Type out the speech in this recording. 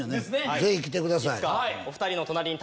ぜひ来てください